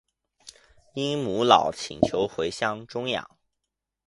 因母老请求回乡终养。